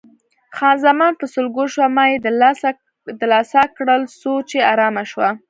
خان زمان په سلګو شوه، ما یې دلاسا کړل څو چې آرامه شوه.